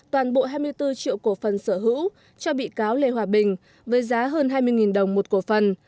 toàn bộ hai mươi bốn triệu cổ phần sở hữu cho bị cáo lê hòa bình với giá hơn hai mươi đồng một cổ phần